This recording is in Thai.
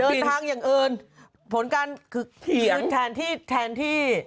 เขาก็ไปเดินทางอย่างอื่นผลการคือแทนที่แทนที่